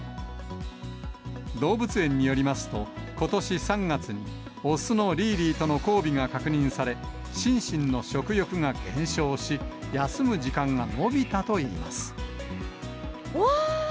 動物園によりますと、ことし３月に、雄のリーリーとの交尾が確認され、シンシンの食欲が減少し、わー！